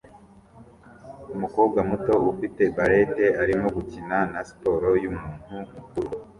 Umukobwa muto ufite barrette arimo gukina na siporo yumuntu mukuru